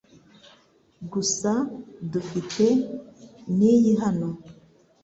Gusa dufite ni iyi hano .